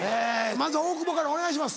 まず大久保からお願いします。